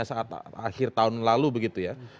saat akhir tahun lalu begitu ya